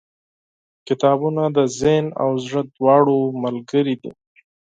• کتابونه د ذهن او زړه دواړو ملګري دي.